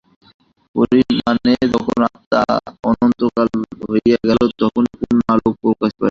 পরিণামে যখন আত্মা অনন্তস্বরূপ হইয়া গেল, তখনই পূর্ণ আলোক প্রকাশ পাইল।